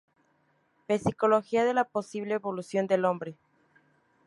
Psicología de la posible evolución del hombre